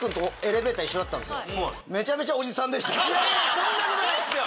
そんなことないっすよ！